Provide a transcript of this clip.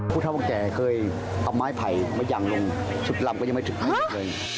ผู้เท่าว่าแกเคยเอาไม้ไผ่มายั่งลงจุดลำก็ยังไม่ถึง